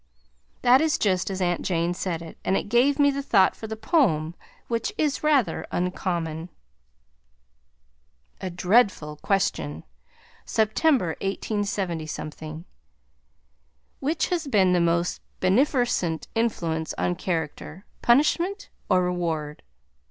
That is just as Aunt Jane said it, and it gave me the thought for the poem which is rather uncommon. A DREADFUL QUESTION September, 187 WHICH HAS BEEN THE MOST BENEFERCENT INFLUENCE ON CHARACTER PUNISHMENT OR REWARD?